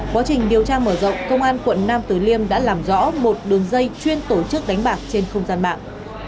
quá trình điều tra mở rộng công an quận nam tử liêm đã làm rõ một đường dây chuyên tổ chức đánh bạc trên không gian mạng